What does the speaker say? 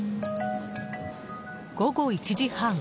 午後１時半。